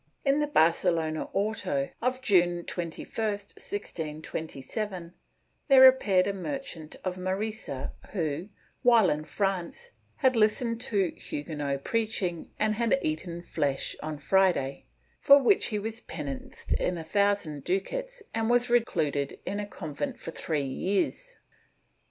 In the Barcelona auto of June 21, 1627, there appeared a merchant of Manresa who, while in France, had listened to Huguenot preaching and had eaten flesh on Friday, for which he was penanced in a thousand ducats and was recluded in a convent for three years.